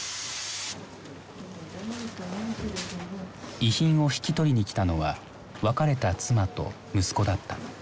遺品を引き取りにきたのは別れた妻と息子だった。